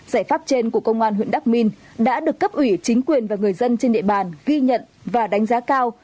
giải pháp trên của công an huyện đắk minh đã được cấp ủy chính quyền và người dân trên địa bàn ghi nhận và đánh giá cao